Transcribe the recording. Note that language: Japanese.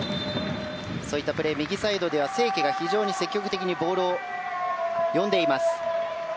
そういったプレー右サイドでは清家が非常に積極的にボールを呼んでいます。